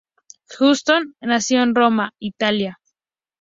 Huston nació en Roma, Italia.